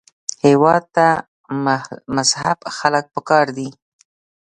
هېواد ته مهذب خلک پکار دي